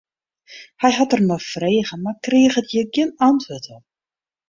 Hy hat der nei frege, mar kriget hjir gjin antwurd op.